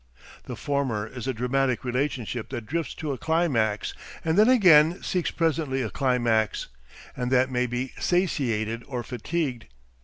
The former is a dramatic relationship that drifts to a climax, and then again seeks presently a climax, and that may be satiated or fatigued.